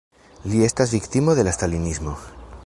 Li estas viktimo de la stalinismo.